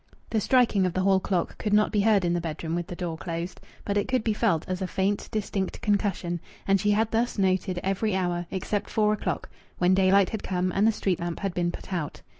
The striking of the hall clock could not be heard in the bedroom with the door closed, but it could be felt as a faint, distinct concussion; and she had thus noted every hour, except four o'clock, when daylight had come and the street lamp had been put out.